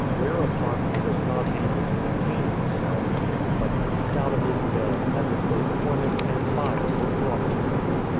Where upon he was not able to contain himself, but leaped out of his bed, as if both torments and fire were brought to him.